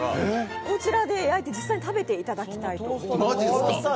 こちらで焼いて実際に食べていただきたいと思います。